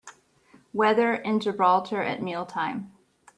Weather in Gibraltar at meal time